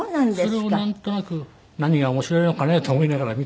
それをなんとなく何が面白いのかねと思いながら見ていたんですけど。